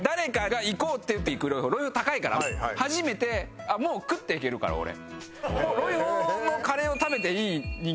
初めて「もう食っていけるから俺」。って思って。